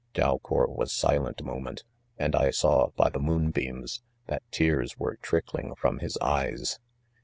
Daleour was silent a moment, and I saw, by the moonbeams, that tears were trickling from his eyes.